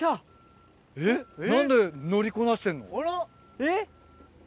えっ！